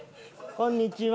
こんにちは。